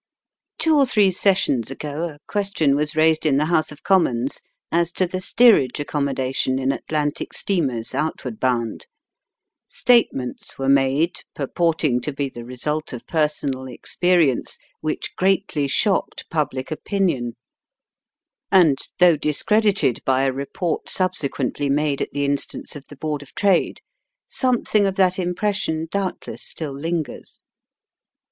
Two or three Sessions ago a question was raised in the House of Commons as to the steerage accommodation in Atlantic steamers outward bound. Statements were made, pur portiQg to be the result of personal experience, which greatly shocked public opinion, and, though discredited by a report subsequently Digitized by VjOOQIC OFF SANDY HOOK." 17 made at the instance of the Board of Trade, something of that impression doubtless still lingers.